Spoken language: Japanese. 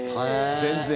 全然。